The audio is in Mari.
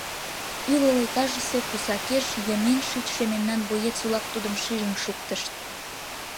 Ӱлыл этажысе пусакеш йымен шичше мемнан боец-влак тудым шижын шуктышт.